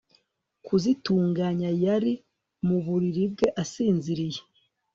kazitunga yari mu buriri bwe asinziriye